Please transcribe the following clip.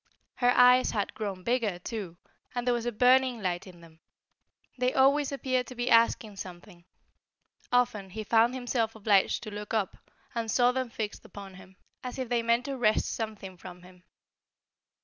Her eyes had grown bigger, too, and there was a burning light in them. They always appeared to be asking something; often he found himself obliged to look up, and saw them fixed upon him, as if they meant to wrest something from him.